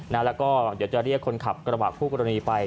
แล้วก็เดี๋ยวจะเรียกคนขับกระบะคู่กรณีไป